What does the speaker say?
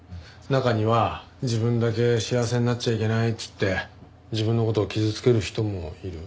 中には自分だけ幸せになっちゃいけないっつって自分の事を傷つける人もいる。